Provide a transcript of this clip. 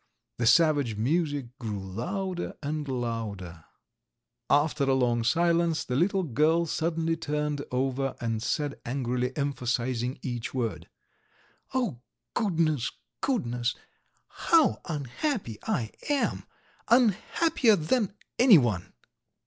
The savage music grew louder and louder. ... After a long silence the little girl suddenly turned over, and said angrily, emphasizing each word: "Oh, goodness, goodness, how unhappy I am! Unhappier than anyone!"